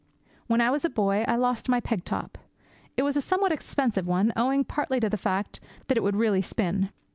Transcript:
When I was a boy I lost my peg top. It was a somewhat expensive one, owing partly to the fact that it would really spin.